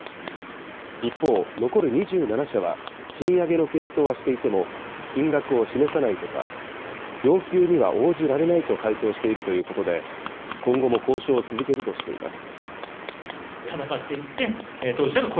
一方、残る２７社は賃上げの検討はしていても、金額を示さないとか、要求には応じられないと回答しているということで、今後も交渉を続けるとしています。